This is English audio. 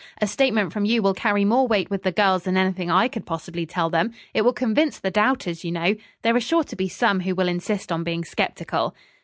A statement from you will carry more weight with the girls than anything I could possibly tell them. It will convince the doubters, you know. There are sure to be some who will insist on being skeptical."